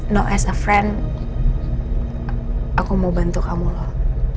no as a friend aku mau bantu kamu loh